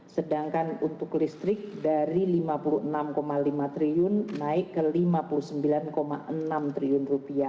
sedangkan untuk listrik dari rp lima puluh enam lima triliun naik ke rp lima puluh sembilan enam triliun